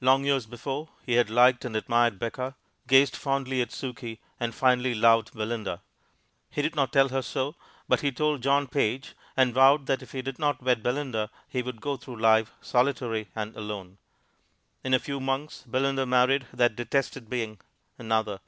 Long years before, he had liked and admired Becca, gazed fondly at Sukey, and finally loved Belinda. He did not tell her so, but he told John Page, and vowed that if he did not wed Belinda he would go through life solitary and alone. In a few months Belinda married that detested being another.